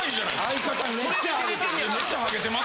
相方めっちゃハゲてる！